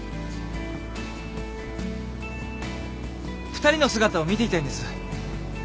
２人の姿を見ていたいんです。